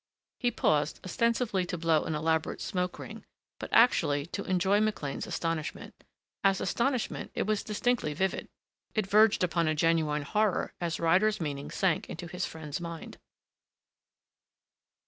He paused, ostensibly to blow an elaborate smoke ring, but actually to enjoy McLean's astonishment. As astonishment, it was distinctly vivid. It verged upon a genuine horror as Ryder's meaning sank into his friend's mind.